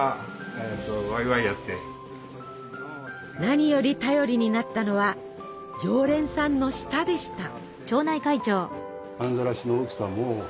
何より頼りになったのは常連さんの舌でした。